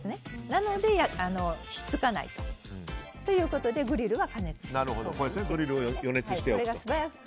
なので、ひっつかない。ということでグリルは加熱しておく。